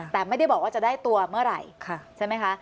แต่ไม่ได้บอกว่าจะได้ตัวเมื่อไหร่ใช่ไหมคะ